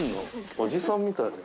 おじさんみたいだよ。